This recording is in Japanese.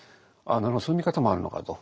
なるほどそういう見方もあるのかと。